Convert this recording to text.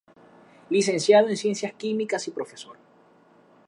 Licenciado en Ciencias Químicas y profesor.